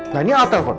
nah ini al telpon